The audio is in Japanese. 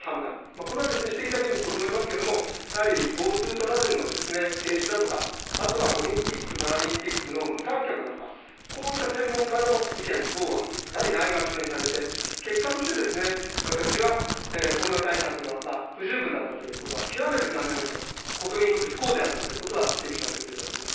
これは指摘だけにとどめますけれども、やはりＧｏＴｏトラベルの停止だとか、あとはオリンピック・パラリンピックの無観客だとか、こういった専門家の意見等は、やはりないがしろにされて、結果として、私はコロナ対策は不十分だったということは、極めて残念だと、国民にとって不幸であったということは、指摘させていただきます。